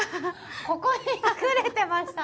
ここに隠れてましたね。